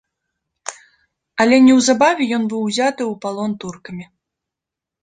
Але неўзабаве ён быў узяты ў палон туркамі.